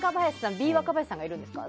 Ｂ若林さんがいるんですか？